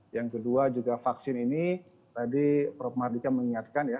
yang kedua juga vaksin ini tadi prof mardika mengingatkan ya